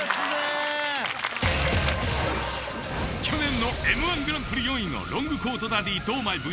去年の「Ｍ−１グランプリ」４位のロングコートダディ堂前ｖｓ